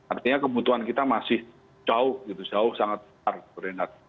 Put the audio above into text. artinya kebutuhan kita masih jauh gitu jauh sangat besar